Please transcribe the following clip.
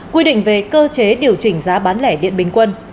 quy định về cơ chế điều chỉnh giá bán lẻ điện bình quân